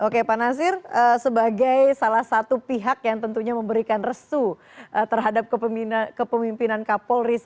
oke pak nasir sebagai salah satu pihak yang tentunya memberikan resu terhadap kepemimpinan kapolri